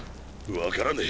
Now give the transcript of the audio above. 分からねぇ